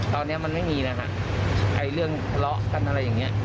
ตอนนี้มันไม่มีนะคะไอ้เรื่องทะเลาะกันอะไรอย่างนี้